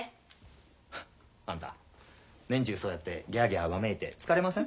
あんた年中そうやってギャギャわめいて疲れません？